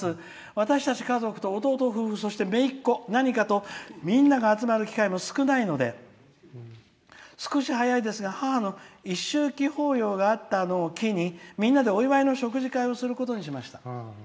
「私たち家族、弟夫婦そして、めいっ子みんなが集まる機会も少ないので少し早いですが母の一周忌法要があったのを機にみんなでお祝いの食事会をすることにしました。